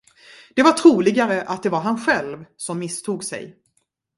Det var troligare, att det var han själv, som misstog sig.